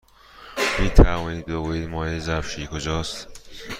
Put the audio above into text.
می توانید بگویید مایع ظرف شویی کجاست؟